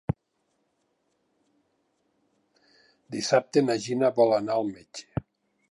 Dissabte na Gina vol anar al metge.